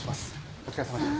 お疲れさまでした。